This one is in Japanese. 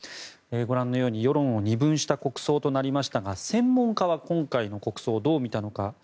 ご覧のように世論を二分した国葬となりましたが専門家は今回の国葬をどう見たのか。